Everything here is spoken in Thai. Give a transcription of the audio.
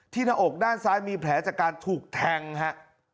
หน้าอกด้านซ้ายมีแผลจากการถูกแทงฮะ